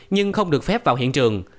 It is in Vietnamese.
nhưng không được phép vào hiện trường